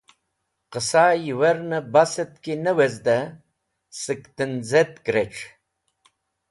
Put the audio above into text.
Qẽsa yiwernẽ basẽt ki ne wezdẽ sẽk tenzetk (internet) rech